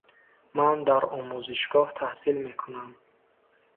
Ман дар омӯзишгоҳ таҳсил мекунам.